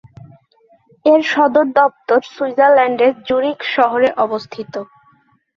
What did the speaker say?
এর সদর দপ্তর সুইজারল্যান্ডের জুরিখ শহরে অবস্থিত।